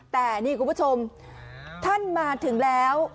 แต่นี่คุณผู้ชมท่านมาถึงแล้ว